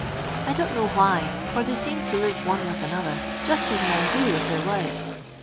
I don't know why, for they seemed to live one with another, just as men do with their wives.